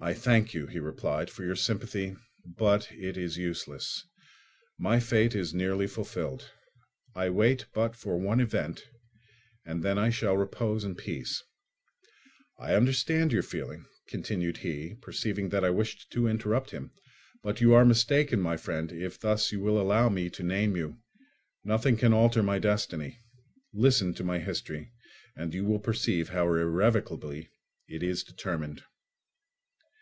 "I thank you," he replied, "for your sympathy, but it is useless; my fate is nearly fulfilled. I wait but for one event, and then I shall repose in peace. I understand your feeling," continued he, perceiving that I wished to interrupt him; "but you are mistaken, my friend, if thus you will allow me to name you; nothing can alter my destiny; listen to my history, and you will perceive how irrevocably it is determined."